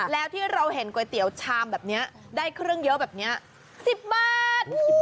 แล้วที่เราเห็นก๋วยเตี๋ยวชามแบบนี้ได้เครื่องเยอะแบบนี้๑๐บาท